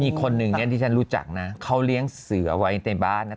อีกคนนึงที่ฉันรู้จักนะเขาเลี้ยงเสือไว้ในบ้านนะคะ